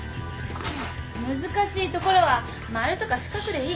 難しいところは丸とか四角でいい。